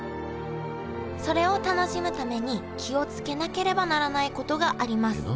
それを楽しむために気を付けなければならないことがあります